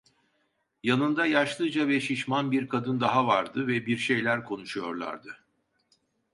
Yanında yaşlıca ve şişman bir kadın daha vardı ve bir şeyler konuşuyorlardı.